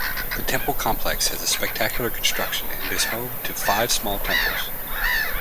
The temple complex has a spectacular construction and is home to five small temples.